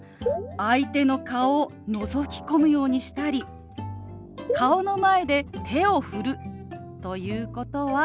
相手の顔をのぞき込むようにしたり顔の前で手を振るということはマナー違反なんです。